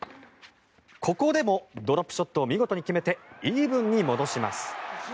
ここでもドロップショットを見事に決めてイーブンに戻します。